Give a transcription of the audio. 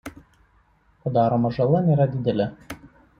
Padaroma žala nėra didelė.